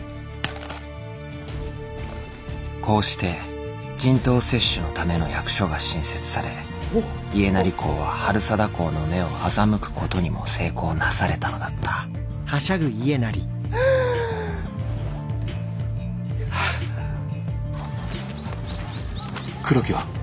こうして人痘接種のための役所が新設され家斉公は治済公の目を欺くことにも成功なされたのだった黒木は？